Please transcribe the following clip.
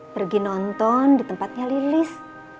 pergi nonton di tempatnya lilis